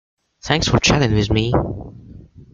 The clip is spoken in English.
Thanks for chatting with me.